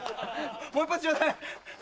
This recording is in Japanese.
もう一本ちょうだい。